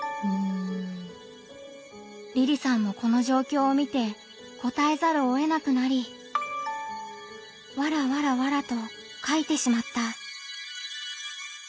りりさんもこの状況を見てこたえざるをえなくなり「ｗｗｗ」と書いてしまった。